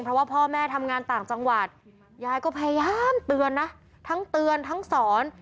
เพราะว่าพ่อแม่ทำงานต่างจังหวัดยายก็พยายามเตือนนะทั้งเตือนทั้งสอน